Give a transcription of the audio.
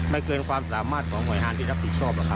เกินความสามารถของหน่วยงานที่รับผิดชอบหรอกครับ